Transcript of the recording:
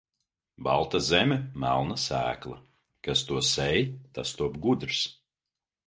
Balta zeme, melna sēkla, kas to sēj, tas top gudrs.